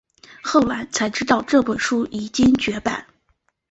后来才知道这本书已经绝版